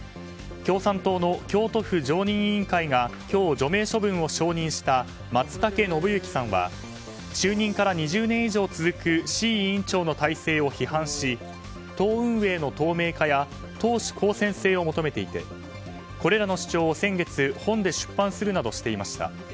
共産党の京都府常任委員会が今日、除名処分を承認した松竹伸幸さんは就任から２０年以上続く志位委員長の体制を批判し党運営の透明化や党首公選制を求めていてこれらの主張を先月本で出版するなどしていました。